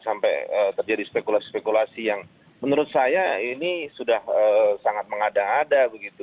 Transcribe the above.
sampai terjadi spekulasi spekulasi yang menurut saya ini sudah sangat mengada ada begitu